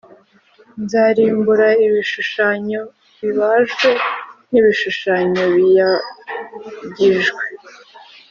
Nzarimbura ibishushanyo bibajwe n ibishushanyo biyagijwe